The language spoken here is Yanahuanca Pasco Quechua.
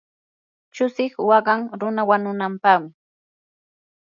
chusiq waqan runa wanunampaqmi.